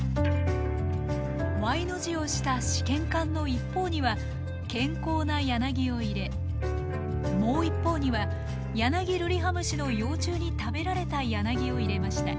Ｙの字をした試験管の一方には健康なヤナギを入れもう一方にはヤナギルリハムシの幼虫に食べられたヤナギを入れました。